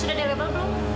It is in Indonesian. sudah di label belum